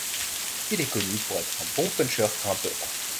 Il est connu pour être un bon puncheur-grimpeur.